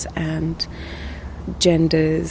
dan jenis dan jenis